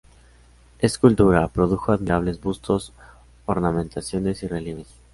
En escultura produjo admirables bustos, ornamentaciones y relieves.